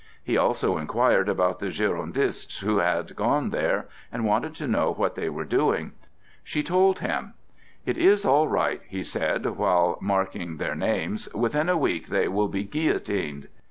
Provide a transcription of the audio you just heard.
He also inquired about the Girondists who had gone there, and wanted to know what they were doing. She told him. "It is all right," he said, while marking down their names. "Within a week they will all be guillotined."